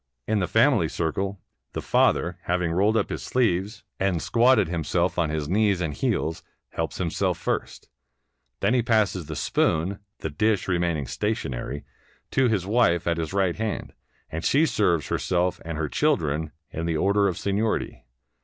In the family circle, the father, having rolled up his sleeves and squatted himself 40S THE FOOD OF THE ROYAL TUTOR on his knees and heels, helps himself first; then he passes the spoon (the dish remaining stationary) to his wife at his right hand, and she serves herself and her children in the order of seniority.